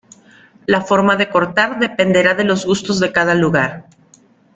La forma de cortar dependerá de los gustos de cada lugar.